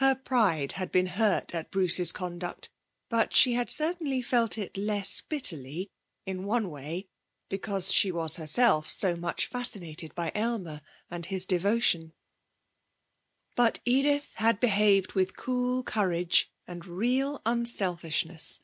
Her pride had been hurt at Bruce's conduct, but she had certainly felt it less bitterly, in one way, because she was herself so much fascinated by Aylmer and his devotion. But Edith had behaved with cool courage and real unselfishness.